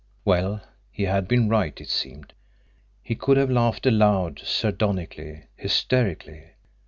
Well, he had been right, it seemed! He could have laughed aloud sardonically, hysterically.